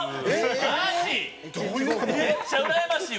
めっちゃうらやましいわ。